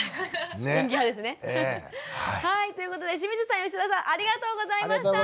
ということで清水さん吉田さんありがとうございました。